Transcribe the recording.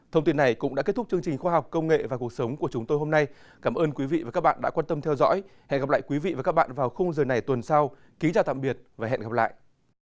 thông tin này cũng đã kết thúc chương trình khoa học công nghệ và cuộc sống của chúng tôi hôm nay cảm ơn quý vị và các bạn đã quan tâm theo dõi hẹn gặp lại quý vị và các bạn vào khung giờ này tuần sau kính chào tạm biệt và hẹn gặp lại